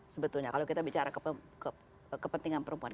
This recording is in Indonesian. sebetulnya kalau kita bicara kepentingan perempuan